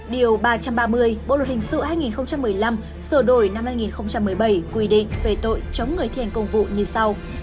điều ba trăm ba mươi bộ luật hình sự hai nghìn một mươi năm sửa đổi năm hai nghìn một mươi bảy quy định về tội chống người thi hành công vụ như sau